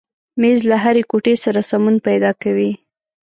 مېز له هرې کوټې سره سمون پیدا کوي.